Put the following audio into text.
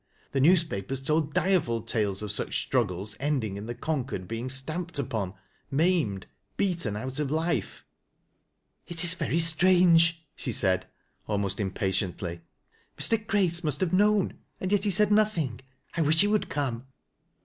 The news papers told direful tales of such struggles ending in the conquered being stamped upon, maimed, beaten out of life. "It is very strange," she said, almost impatiently. " Mr. Grace must have known, and yet he said nothing. I wish he would come."